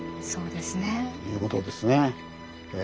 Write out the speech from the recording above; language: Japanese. そうですね。ということですね。